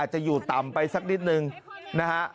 จะอยู่ต่ำไปสักนิดนึงนะฮะ